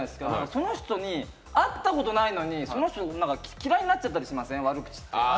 その人に会ったこともないのに嫌いになっちゃったりしません？